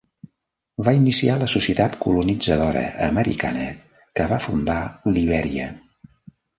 Va iniciar la Societat colonitzadora americana que va fundar Libèria.